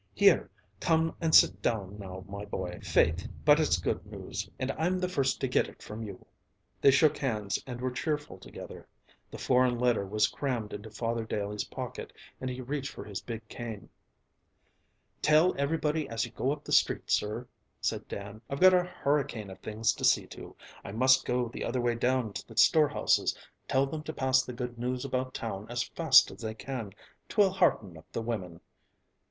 "Here, come and sit down, my boy. Faith, but it's good news, and I'm the first to get it from you." They shook hands and were cheerful together; the foreign letter was crammed into Father Daley's pocket, and he reached for his big cane. "Tell everybody as you go up the street, sir," said Dan. "I've got a hurricane of things to see to; I must go the other way down to the storehouses. Tell them to pass the good news about town as fast as they can; 'twill hearten up the women."